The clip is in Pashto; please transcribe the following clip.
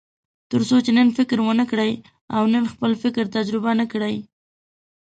تر څو چې نن فکر ونه کړئ او نن خپل فکر تجربه نه کړئ.